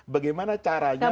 bagaimana caranya sepuluh itu